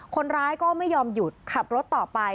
คนร้ายก็ไม่ยอมหยุดขับรถต่อไป